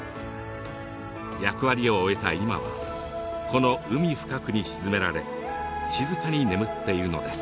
役割を終えた今はこの海深くに沈められ静かに眠っているのです。